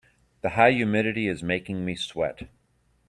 The high humidity is making me sweat.